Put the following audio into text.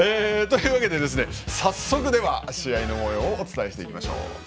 というわけで早速試合のもようをお伝えします。